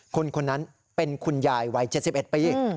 คนคนนั้นเป็นคุณยายวัย๗๑ปี